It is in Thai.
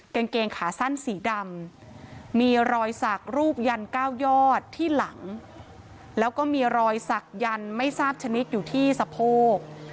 กางเกงขาสั้นสีดำมีรอยสักรูปยันเก้ายอดที่หลังแล้วก็มีรอยสักยันไม่ทราบชนิดอยู่ที่สะโพก